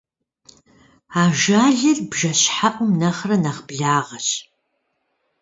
Ажалыр бжэщхьэӀум нэхърэ нэхь благъэщ.